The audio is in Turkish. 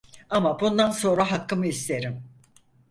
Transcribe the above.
Ama bundan sonra hakkımı isterim…